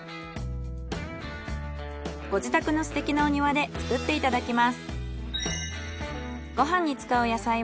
ご自宅のすてきなお庭で作っていただきます。